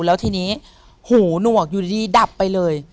แล้วทีนี้หูหนวกอยู่ดีดับไปเลย